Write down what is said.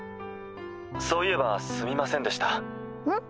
そういえばすみませんでしたうん？